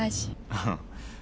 うん。